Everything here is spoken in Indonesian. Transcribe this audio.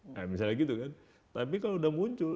nah misalnya gitu kan tapi kalau udah muncul